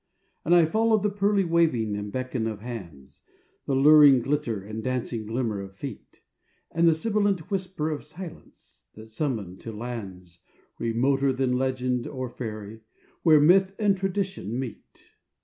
And I followed the pearly waving and beckon of hands, The luring glitter and dancing glimmer of feet, And the sibilant whisper of silence, that summoned to lands Remoter than legend or faery, where Myth and Tradition meet.